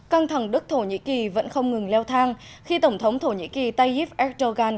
căng thẳng đức thổ nhĩ kỳ vẫn không ngừng leo thang khi tổng thống thổ nhĩ kỳ tayyip erdogan